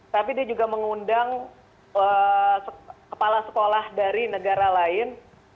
tapi dia juga mengundang kepala sekolah dari negara lain